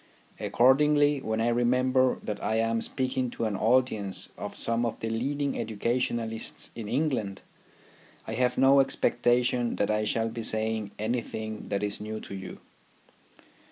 Accordingly, when I remember that I am speaking to an audience of some of the leading educationists in England, I have no expectation that I shall be saying anything that is new to you.